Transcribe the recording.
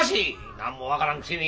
何も分からんくせに！